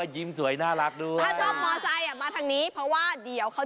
อ่ะชอบมอเตอร์ไซค์